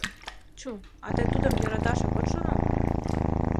Чу, а тый тудым йӧраташак от шоно?